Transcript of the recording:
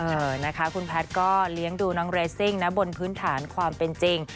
เออนะคะคุณแพทย์ก็เลี้ยงดูน้องเรซิ่งนะบนพื้นฐานความเป็นจริง